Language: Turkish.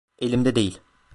Elimde değil.